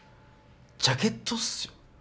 ジャケットっすよ？